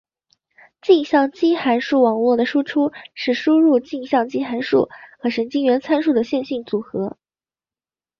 径向基函数网络的输出是输入的径向基函数和神经元参数的线性组合。